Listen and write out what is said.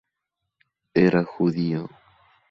Era judío.